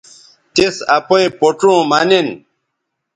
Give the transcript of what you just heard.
تِس اپئیں پوڇوں مہ نن